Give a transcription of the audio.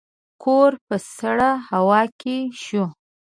کور په سړه هوا کې شو.